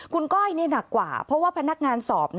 คุณก้อยหนักกว่าเพราะว่าพนักงานสอบ